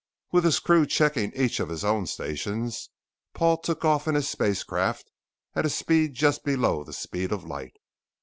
With his crew checking each of his own stations, Paul took off in his spacecraft at a speed just below the speed of light.